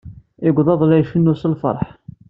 Igḍaḍ la cennun s lfeṛḥ.